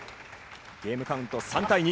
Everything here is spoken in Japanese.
ゲームカウント３対２。